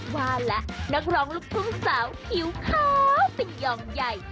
ว่าแล้วนักร้องลูกทุ่งสาวผิวขาวเป็นยองใหญ่